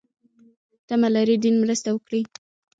تمه لري دین مرسته وکړي.